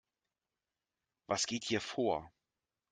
Was geht hier vor?